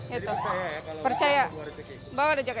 jadi percaya ya kalau bawa dua rejeki